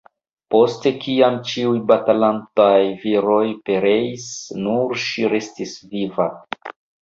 Post kiam ĉiuj batalantaj viroj pereis, nur ŝi restis viva.